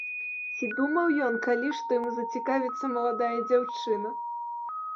Ці думаў ён калі, што ім зацікавіцца маладая дзяўчына!